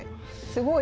すごい。